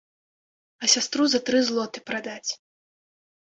А сястру за тры злоты прадаць.